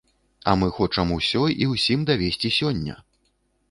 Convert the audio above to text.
А мы хочам усё і ўсім давесці сёння!